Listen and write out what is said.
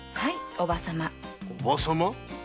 「おば様」？